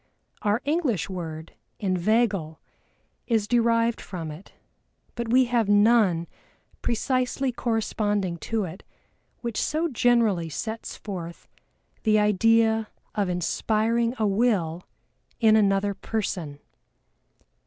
Our English word, Inveigle, is derived from it, but we have none precisely corresponding to it which so generally sets forth the idea of inspiring a will in another person.